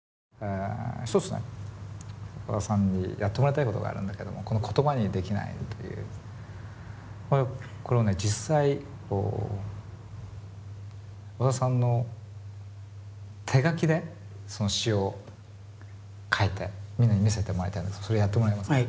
え１つね小田さんにやってもらいたいことがあるんだけどもこの「言葉にできない」というこれをこれをね実際こう小田さんの手書きでその詞を書いてみんなに見せてもらいたいんですけどそれやってもらえますか？